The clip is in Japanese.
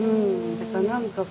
だから何か。